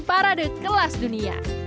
parade kelas dunia